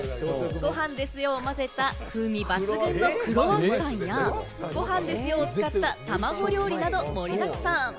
「ごはんですよ！」を混ぜた風味抜群のクロワッサンや、「ごはんですよ！」を使った卵料理など盛りだくさん。